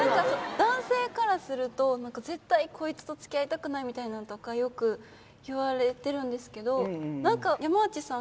男性からすると絶対こいつと付き合いたくないみたいなのよく言われてるんですけど何か山内さん